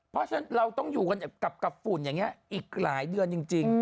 เพราะฉะนั้นเราต้องอยู่กันกับฝุ่นอย่างนี้อีกหลายเดือนจริง